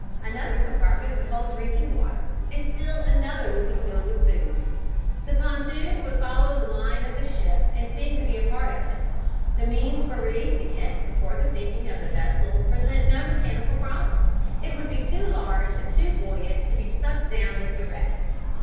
Another compartment would hold drinking water, and still another would be filled with food. The pontoon would follow the line of the ship and seem to be a part of it. The means for releasing it before the sinking of the vessel present no mechanical problem. It would be too large and too buoyant to be sucked down with the wreck.